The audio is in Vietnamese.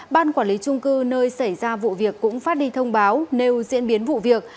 ban quản lý trung cư nơi xảy ra vụ việc cũng phát đi thông báo nếu diễn biến vụ việc